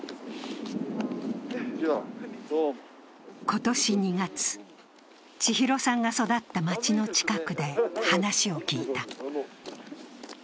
今年２月、千尋さんが育った街の近くで話を聞いた。